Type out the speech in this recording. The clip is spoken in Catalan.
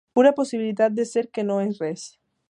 Pura possibilitat de ser que no és res.